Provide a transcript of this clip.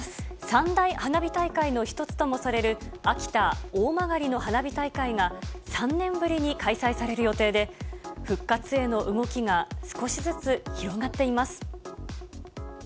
三大花火大会の一つともされる秋田・大曲の花火大会が、３年ぶりに開催される予定で、復活への動きが少しずつ広がっています。